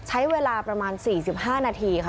ใช้เวลาประมาณ๔๕นาทีค่ะ